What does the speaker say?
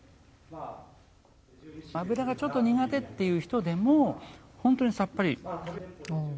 油がちょっと苦手という人でも本当にさっぱり。